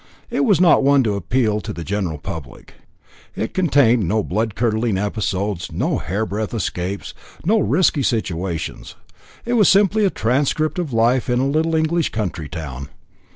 It was not one to appeal to the general public. It contained no blood curdling episodes, no hair breadth escapes, no risky situations; it was simply a transcript of life in a little English country town.